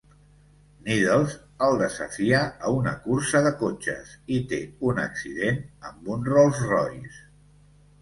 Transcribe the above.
Needles el desafia a una cursa de cotxes, i té un accident amb un Rolls-Royce.